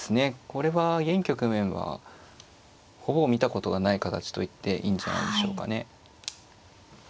これは現局面はほぼ見たことがない形と言っていいんじゃないでしょうかね。